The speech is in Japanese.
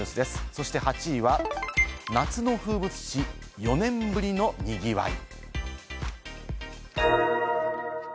そして８位は、夏の風物詩、４年ぶりの賑わい。